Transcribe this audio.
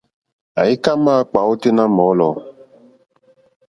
Àyíkâ máǎkpà ôténá mɔ̌lɔ̀.